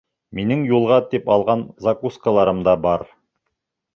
Минең юлға тип алған закускаларым да бар.